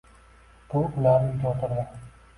Bu ular uyda oʻtirdi.